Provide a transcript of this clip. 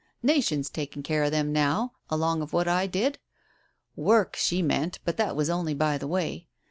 Nation's taking care of them now, along of what I did. Work, she meant, but that was only by the way.